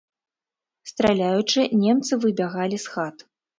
Страляючы, немцы выбягалі з хат.